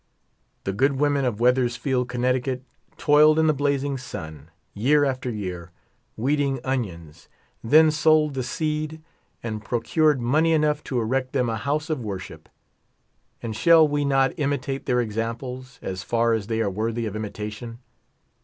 The good women of Wotliersfied, Conn., toiled in the blazing sun. year after year, weeding onions, then sold the seed and procured money enough to erect them a house of worship ; and shall we not imitate their examples, as far as they are worthy of imitation?